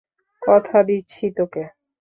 কথা দিচ্ছি তোকে।